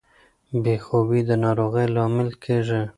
بې خوبي د ناروغۍ لامل کیږي.